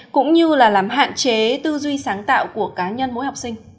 cũng như là làm hạn chế tư duy sáng tạo của cá nhân mỗi học sinh